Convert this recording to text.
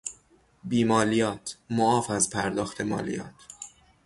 بیمالیات، معاف از پرداخت مالیات